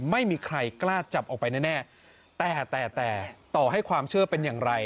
ไม่มีใครกล้าจับออกไปแน่แต่แต่ต่อให้ความเชื่อเป็นอย่างไร